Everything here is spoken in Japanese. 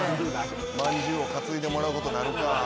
まんじゅうを担いでもらうことに。